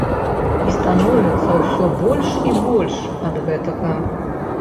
І становіцца ўсё больш і больш ад гэтага.